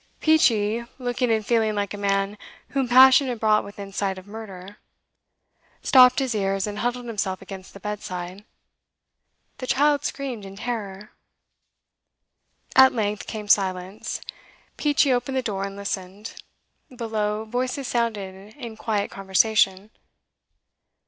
Peachey, looking and feeling like a man whom passion had brought within sight of murder, stopped his ears and huddled himself against the bedside. The child screamed in terror. At length came silence. Peachey opened the door, and listened. Below, voices sounded in quiet conversation.